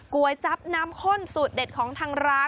๋วยจับน้ำข้นสูตรเด็ดของทางร้าน